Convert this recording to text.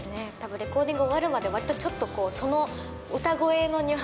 レコーディング終わるまで、わりとちょっとその歌声のニュア